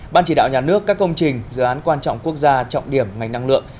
ban chỉ đạo nhà nước các công trình dự án quan trọng quốc gia trọng điểm ngành năng lượng